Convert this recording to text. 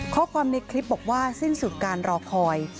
ข้อความในคลิปบอกว่าสิ้นสุดการรอคอย